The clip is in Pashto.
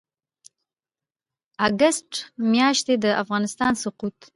اګسټ میاشتې د افغانستان سقوط